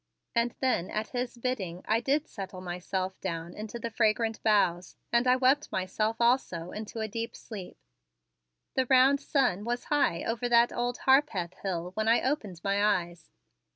And then at his bidding I did settle myself down into the fragrant boughs and I wept myself also into a deep sleep. The round sun was high over that Old Harpeth hill when I opened my eyes.